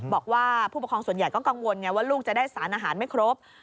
บอกว่าผู้ปกครองส่วนใหญ่ก็กังวลไงว่าลูกจะได้สารอาหารไม่ครบ